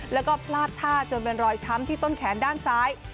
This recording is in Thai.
แล้วก็พลาดท่าจนเป็นรอยช้ำที่ต้นแขนด้านซ้าย